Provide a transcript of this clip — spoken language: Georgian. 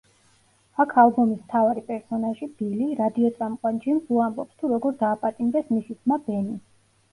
აქ ალბომის მთავარი პერსონაჟი, ბილი, რადიოწამყვან ჯიმს უამბობს, თუ როგორ დააპატიმრეს მისი ძმა, ბენი.